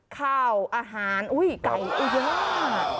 ข้าวอาหารอุ๊ยไก่อีกแล้ว